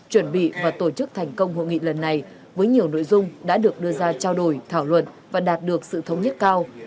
chuẩn bị và tổ chức thành công hội nghị lần này với nhiều nội dung đã được đưa ra trao đổi thảo luận và đạt được sự thống nhất cao